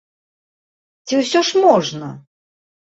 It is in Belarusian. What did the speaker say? Ці ўсё ж можна?